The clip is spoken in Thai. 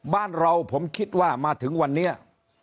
บ้านเราผมคิดว่ามาถึงวันนี้